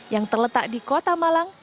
yang terletak di kota malang